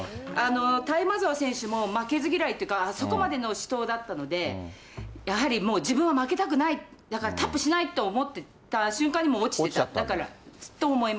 タイマゾワ選手も負けず嫌いっていうか、あそこまでの死闘だったので、やはりもう自分は負けたくない、だからタップしないと思ってた瞬間にもう落ちちゃった、と思いま